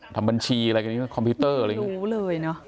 ทำบัญชีอะไรอย่างนี้คอมพิวเตอร์ไม่รู้เลยนะ